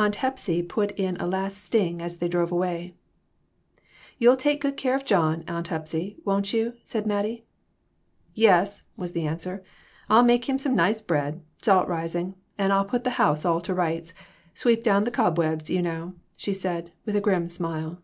Aunt Hepsy put in a last sting as they drove away. "You'll take good care of John, Aunt Hepsy, won't you ?" said Mattie. "Yes," was the answer; "I'll make him some nice bread, salt rising, and I'll put the house all to rights sweep down the cobwebs, you know," she said, with a grim smile.